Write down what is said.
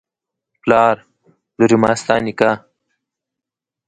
پلار: لورې ماستا نکاح